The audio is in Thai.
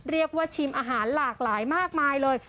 เรียกว่าชิมอาหารหลากหลายมากมายเลย